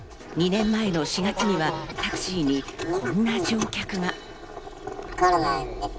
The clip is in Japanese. ２年前の４月にはタクシーにこんな乗客が。